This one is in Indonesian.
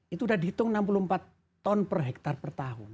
itu sudah dihitung enam puluh empat ton per hektare per tahun